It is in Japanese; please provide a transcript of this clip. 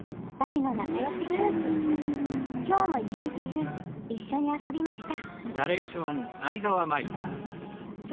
きょうも一日中一緒に遊びました。